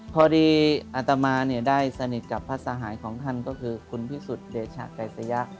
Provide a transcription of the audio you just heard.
พอดีอัตมาได้สนิทกับพระสหายของท่านก็คือคุณพิสุทธิเดชะไกรสยะ